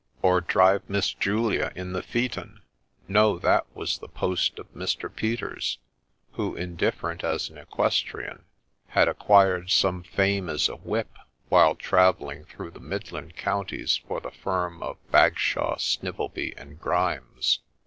' Or drive Miss Julia in the phaeton ?' No ; that was the post of Mr. Peters, who, indifferent as an equestrian, had acquired some fame as a whip while travelling through the midland counties for the firm of Bagshaw, Snivelby, & Ghrimes.